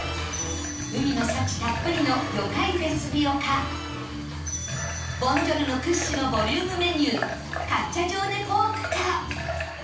海の幸たっぷりの魚介ベスビオかボンジョルノ屈指のボリュームメニューカッチャジョーネポークか